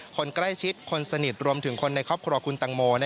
คนใกล้ชิดคนสนิทรวมถึงคนในครอบครัวคุณตังโม